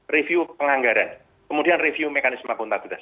review penganggaran kemudian review mekanisme akuntabilitas